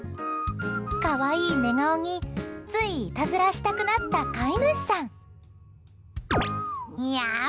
可愛い寝顔につい、いたずらしたくなった飼い主さん。